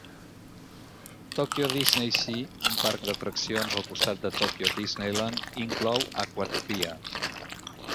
Tokyo DisneySea, un parc d'atraccions al costat de Tokyo Disneyland, inclou Aquatopia.